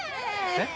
えっ？